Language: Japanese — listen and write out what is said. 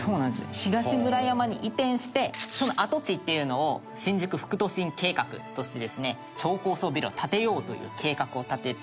東村山に移転してその跡地っていうのを新宿副都心計画としてですね超高層ビルを建てようという計画を立てて。